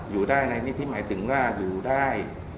อยู่ได้ในนี้ที่หมายถึงว่าอยู่ได้